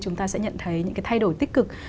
chúng ta sẽ nhận thấy những cái thay đổi tích cực